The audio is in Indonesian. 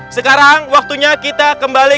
sekarang waktunya kita kembali